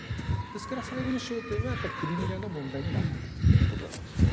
ですから、最後の焦点はクリミアの問題になるということだと思います。